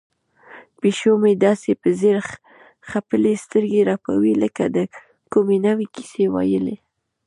پیشو مې داسې په ځیر خپلې سترګې رپوي لکه د کومې نوې کیسې ویل.